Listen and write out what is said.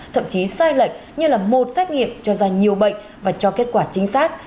thậm chí sai lệch như là một xét nghiệm cho ra nhiều bệnh và cho kết quả chính xác